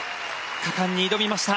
果敢に挑みました。